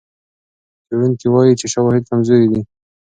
څېړونکي وايي چې شواهد کمزوري دي.